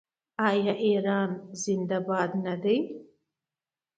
آیا ایران زنده باد نه دی؟